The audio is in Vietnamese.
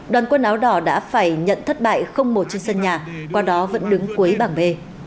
đoàn quân áo đỏ đã phải nhận thất bại không một trên sân nhà qua đó vẫn đứng cuối bảng b